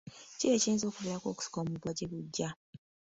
Ki ekiyinza okuviirako okusika omuguwa gye bujja?